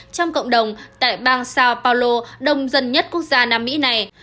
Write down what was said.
trong cộng đồng tại bang sao paulo đông dân nhất quốc gia nam mỹ này